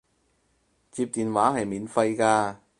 接電話係免費㗎